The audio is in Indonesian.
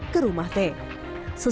kedua kondisi tersebut menyebabkan kematian t